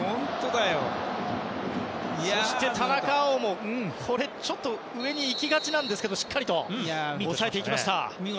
そして田中碧も上に行きがちなんですけどしっかりと抑えていきました。